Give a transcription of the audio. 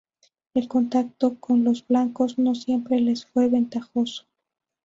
El contacto con los blancos no siempre les fue ventajoso.